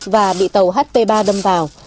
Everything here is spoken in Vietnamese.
và bị tàu hp ba đâm vào